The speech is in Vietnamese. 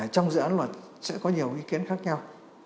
trong dự án luật sẽ có nhiều ý kiến khác nhau